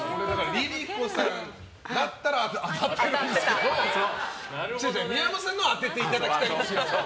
ＬｉＬｉＣｏさんだったら当たってるんですけど宮本さんのを当てていただきたいんですよ。